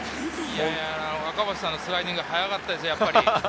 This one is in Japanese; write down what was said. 赤星さんのスライディングは速かったですよ。